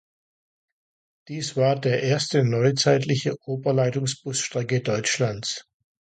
Dies war der erste neuzeitliche Oberleitungsbus-Strecke Deutschlands.